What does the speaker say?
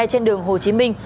trên đường hồ chí minh